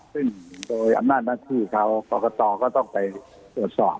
ซึ่งโดยอำนาจนักภูมิเขาปรากฏก็ต้องไปตรวจสอบ